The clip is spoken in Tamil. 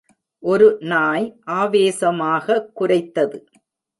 ஒரு நாய் ஆவேசமாக குரைத்தது.